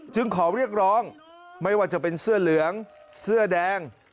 ขอเรียกร้องไม่ว่าจะเป็นเสื้อเหลืองเสื้อแดง